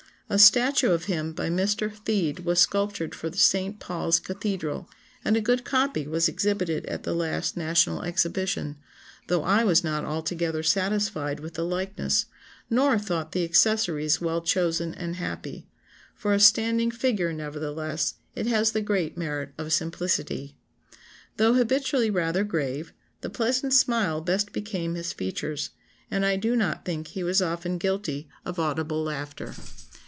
] "A statue of him by Mr. Theed was sculptured for St. Paul's Cathedral, and a good copy was exhibited at the last National Exhibition, though I was not altogether satisfied with the likeness, nor thought the accessories well chosen and happy; for a standing figure, nevertheless, it has the great merit of simplicity. "Though habitually rather grave, the pleasant smile best became his features, and I do not think he was often guilty of audible laughter."